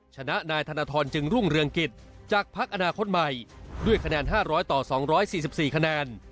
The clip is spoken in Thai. ชนะนายธนทรจึงรุ่งเรืองกิจจากพักอนาคตใหม่ด้วยคะแนน๕๐๐ต่อ๒๔๔คะแนน